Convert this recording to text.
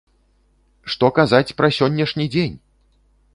Што казаць пра сённяшні дзень!